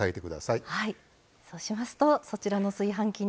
そうしますとそちらの炊飯器に。